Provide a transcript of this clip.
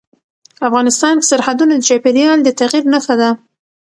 افغانستان کې سرحدونه د چاپېریال د تغیر نښه ده.